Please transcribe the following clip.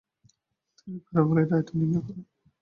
তিনি প্যারাবলয়েডের আয়তন নির্ণয় করেন।